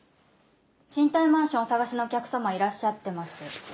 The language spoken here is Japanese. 賃貸マンションお探しのお客様いらっしゃってます。